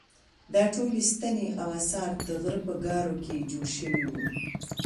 دا ټولې ستنې او اثار د غره په ګارو کې جوړ شوي وو.